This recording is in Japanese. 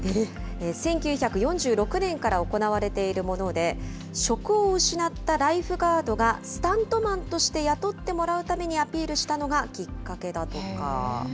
１９４６年から行われているもので、職を失ったライフガードが、スタントマンとして雇ってもらうためにアピールしたのがきっかけだとか。